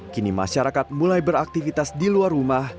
kini masyarakat mulai beraktivitas di luar rumah